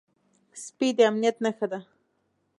سپي د امنيت نښه ده.